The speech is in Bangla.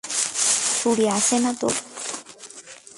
ছুড়ি আছে না তোর কাছে?